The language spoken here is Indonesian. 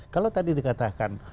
kalau tadi dikatakan